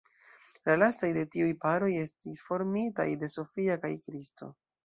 La lastaj de tiuj paroj estis formitaj de Sophia kaj Kristo.